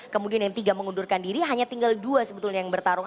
kemudian yang tiga mengundurkan diri hanya tinggal dua sebetulnya yang bertarung